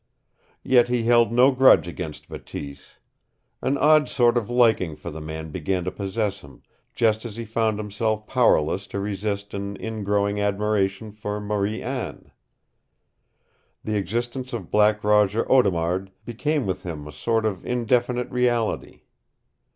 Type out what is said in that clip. Yet he held no grudge against Bateese. An odd sort of liking for the man began to possess him, just as he found himself powerless to resist an ingrowing admiration for Marie Anne. The existence of Black Roger Audemard became with him a sort of indefinite reality.